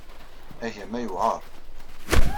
Agama yewɛeṛ